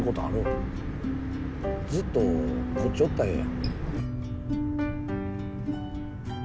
ずっとこっちおったらええやん。